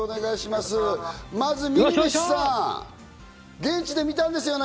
まずミニビッシュさん、現地で見たんですよね？